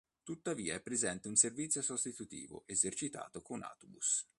Tuttavia è presente un servizio sostitutivo esercitato con autobus.